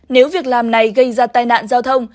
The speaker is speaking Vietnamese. nếu việc làm này gây ra tai nạn giao thông